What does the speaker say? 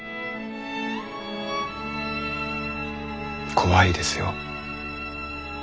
怖いですよ。